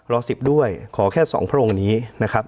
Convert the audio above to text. ๑๐ด้วยขอแค่๒พระองค์นี้นะครับ